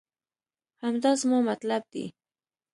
همدا زما مطلب دی